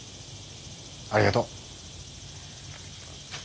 ありがとう。